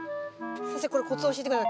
先生これコツを教えて下さい。